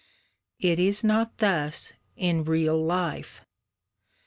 It is not thus in real life.